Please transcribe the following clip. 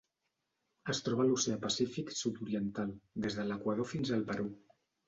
Es troba a l'Oceà Pacífic sud-oriental: des de l'Equador fins al Perú.